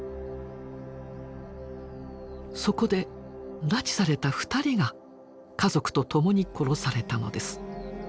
そこで拉致された２人が家族と共に殺されたのです。